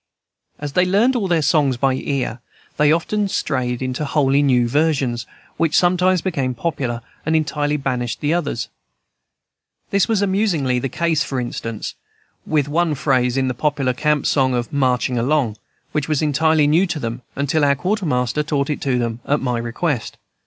As they learned all their songs by ear, they often strayed into wholly new versions, which sometimes became popular, and entirely banished the others. This was amusingly the case, for instance, with one phrase in the popular camp song of "Marching Along," which was entirely new to them until our quartermaster taught it to them, at my request.